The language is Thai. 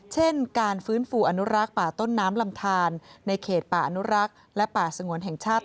เช่นการฟื้นฟูอนุรักษ์ป่าต้นน้ำลำทานในเขตป่าอนุรักษ์และป่าสงวนแห่งชาติ